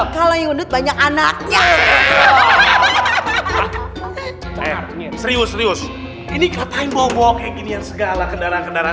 kalau yang banyak anaknya serius serius ini katanya bobo kek ini yang segala kendaraan kendaraan